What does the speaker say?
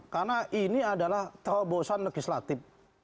karena ini adalah terobosan legislatif